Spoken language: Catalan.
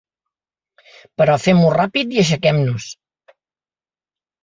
Però fem-ho ràpid i aixequem-nos.